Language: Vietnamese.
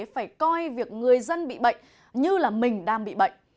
phải coi việc người dân bị bệnh như là mình đang bị bệnh